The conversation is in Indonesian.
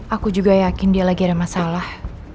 aku juga yakin dia lagi ada masalah